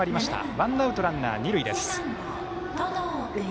ワンアウト、ランナー、二塁です。